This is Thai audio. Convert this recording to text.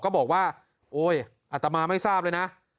ก็บอกว่าโอ๊ยอัตมาไม่ทราบเลยนะ